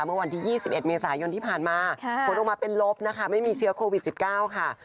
เมื่อวันที่๒๑เมษายนที่ผ่านมาผลออกมาเป็นลบนะคะไม่มีเชื้อโควิด๑๙ค่ะ